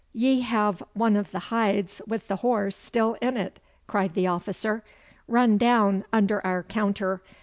'Ye have one of the hides with the horse still in it,' cried the officer. 'Run down under our counter.